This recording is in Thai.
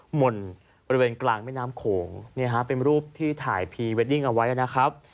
หม่นบริเวณกลางแม่น้ำโขงเนี่ยฮะเป็นรูปที่ถ่ายพรีเวดดิ้งเอาไว้นะครับ